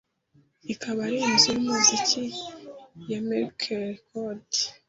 ikaba ari inzu y’umuziki ya Mercury Records